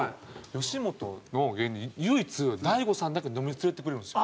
吉本の芸人唯一大悟さんだけ飲みに連れていってくれるんです。